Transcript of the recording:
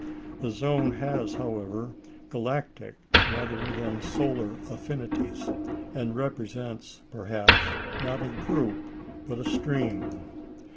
The zone has, however, galactic rather than solar affinities, and represents, perhaps, not a group, but a stream.